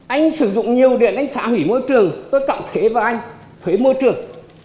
anh sử dụng nhiều điện anh phá hủy môi trường tôi cộng thuế vào anh thuế môi trường